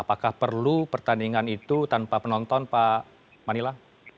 apakah perlu pertandingan itu tanpa penonton pak manila